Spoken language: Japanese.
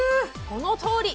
このとおり！